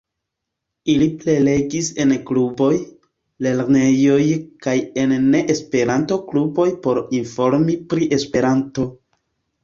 Ili prelegis en kluboj, lernejoj kaj en ne esperanto-kluboj por informi pri esperanto.